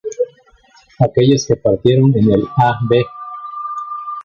Aquellos que partieron en el a. v.